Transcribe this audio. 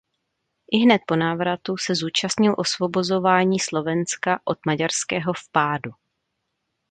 Ihned po návratu se zúčastnil osvobozování Slovenska od maďarského vpádu.